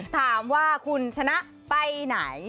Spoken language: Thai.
ถามว่าคุณชนะไปไหน